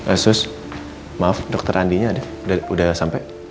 eh sus maaf dokter andi nya ada udah sampai